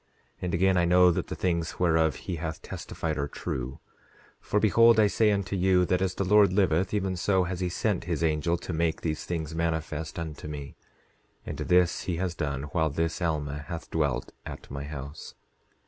10:10 And again, I know that the things whereof he hath testified are true; for behold I say unto you, that as the Lord liveth, even so has he sent his angel to make these things manifest unto me; and this he has done while this Alma hath dwelt at my house.